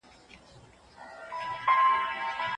په اسلامي شریعت کي دغه فطري حق خوندي ساتل سوی دی.